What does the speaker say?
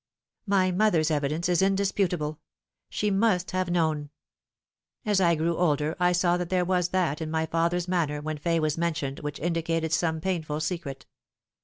"My mother's evidence is indisputable. She must have known. As I grew older I saw that there was that in my father's manner when Fay was mentioned which indicated some painful secret.